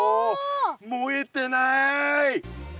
燃えてない！